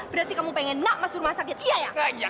berarti kamu pengen nak mas rumah sakit iya ya